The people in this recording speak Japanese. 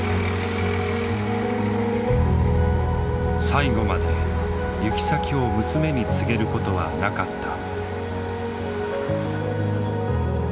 最後まで行き先を娘に告げることはなかった。